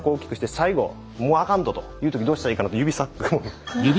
最後もうあかんぞという時どうしたらいいかなって指サックも。